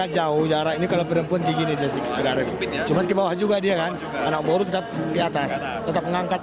begini agar sempitnya cuma ke bawah juga dia kan anak baru tetap di atas tetap mengangkat